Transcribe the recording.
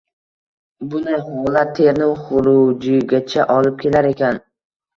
Bunday holat terini xurujigacha olib kelar ekan.